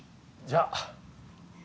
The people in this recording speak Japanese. じゃあ。